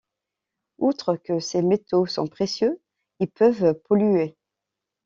Outre que ces métaux sont précieux, ils peuvent polluer.